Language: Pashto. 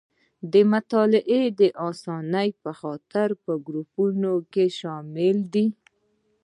د مطالعې د اسانۍ په خاطر په ګروپ کې شامل دي.